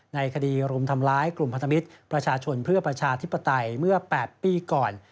ในคดีรุมทำร้ายกลุ่มพันธมิตรประชาชนเพื่อประชาธิปไตยเมื่อ๘ปีก่อน